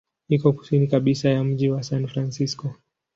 Iko kusini kabisa ya mji wa San Francisco.